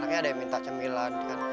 makanya ada yang minta cemilan